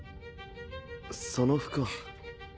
その服は？